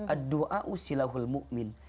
ad doa usilahul mu'min